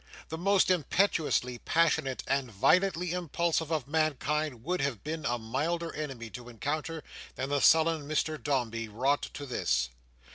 The most impetuously passionate and violently impulsive of mankind would have been a milder enemy to encounter than the sullen Mr Dombey wrought to this.